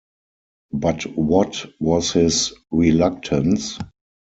But what was his reluctance?